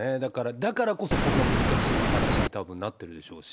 だからこそこんな難しい話にたぶん、なってるでしょうし。